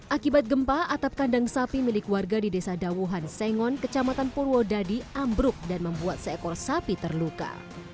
akibat gempa atap kandang sapi milik warga di desa dawuhan sengon kecamatan purwodadi ambruk dan membuat seekor sapi terluka